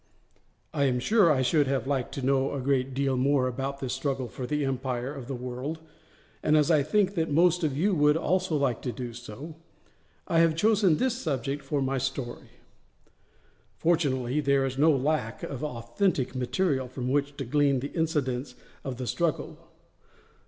I am sure I should have liked to know a great deal more about this struggle for the empire of the world, and as I think that most of you would also like to do so, I have chosen this subject for my story. Fortunately there is no lack of authentic material from which to glean the incidents of the struggle.